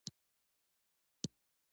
د جنجال د سوله ایز حل پېشنهاد یې ورته وکړ.